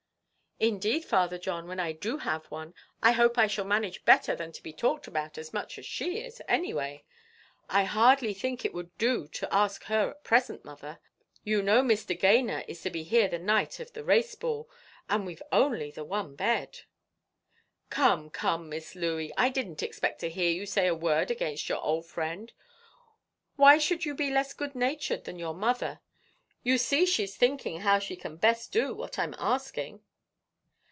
"Indeed, Father John, when I do have one, I hope I shall manage better than to be talked about as much as she is, any way. I hardly think it would do to ask her at present, mother. You know Mr. Gayner is to be here the night of the race ball, and we've only the one bed." "Come, come, Miss Louey, I didn't expect to hear you say a word against your old friend; why should you be less good natured than your mother? You see she's thinking how she can best do what I'm asking."